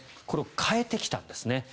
これを変えてきたんですね。